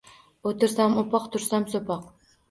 O'tirsam o'poq, tursam so'poq